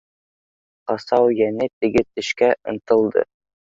Ҡасау йәнә теге тешкә ынтылды.